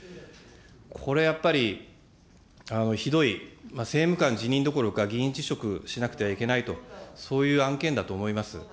これやっぱり、ひどい、政務官辞任どころか、議員辞職しなくてはいけないと、そういう案件だと思います。